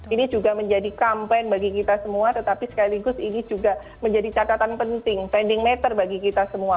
ini juga menjadi campaign bagi kita semua tetapi sekaligus ini juga menjadi catatan penting pending matter bagi kita semua